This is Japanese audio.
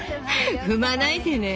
踏まないでね！